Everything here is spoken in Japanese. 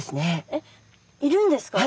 えっいるんですか？